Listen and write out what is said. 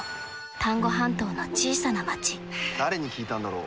丹後半島の小さな町誰に聞いたんだろう。